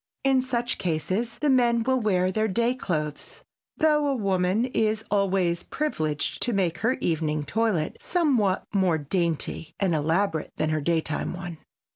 In such cases the men will wear their day clothes, though a woman is always privileged to make her evening toilet somewhat more dainty and elaborate than her daytime one.